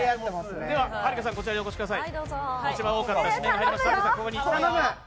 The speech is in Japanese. はるかさん、こちらお越しください。